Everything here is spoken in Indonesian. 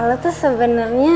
lo tuh sebenernya